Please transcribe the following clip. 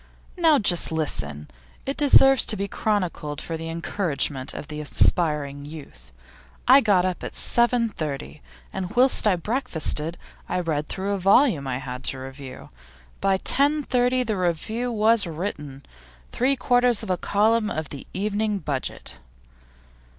Now just listen; it deserves to be chronicled for the encouragement of aspiring youth. I got up at 7.30, and whilst I breakfasted I read through a volume I had to review. By 10.30 the review was written three quarters of a column of the Evening Budget.